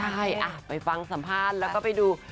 ใช่ไปฟังสัมภาษณ์แล้วก็ไปดู